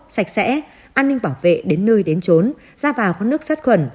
sạch sẽ an ninh bảo vệ đến nơi đến trốn ra vào kho nước sát khuẩn